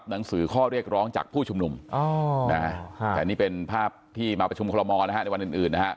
หนังสือข้อเรียกร้องจากผู้ชุมนุมแต่นี่เป็นภาพที่มาประชุมคอลโมนะฮะในวันอื่นนะฮะ